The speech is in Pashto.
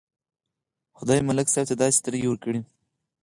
خدای ملک صاحب ته داسې سترګې ورکړې.